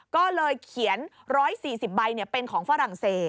ก็เลยเขียน๑๔๐ใบเป็นของฝรั่งเศส